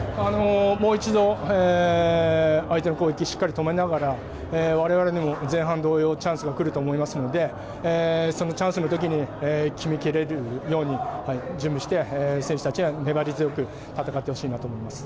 もう一度、相手の攻撃をしっかり止めながら我々にも前半同様にチャンスが来ると思いますのでチャンスの時に決めきれるように準備して選手たちには粘り強く戦ってほしいと思います。